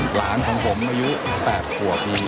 หลานของผมอายุ๘ปี